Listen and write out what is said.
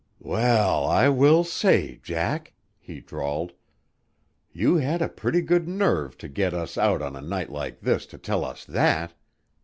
"Well, I will say, Jack," he drawled, "you had a pretty good nerve to get us out on a night like this to tell us that!